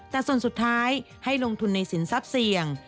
แต่ส่วนสุดท้ายให้ลงทุนในสินทรัพย์เสี่ยง